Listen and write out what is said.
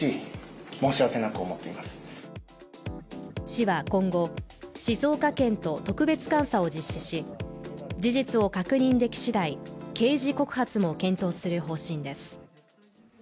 市は今後、静岡県と特別監査を実施し事実を確認できしだい刑事告発も検討する方針です。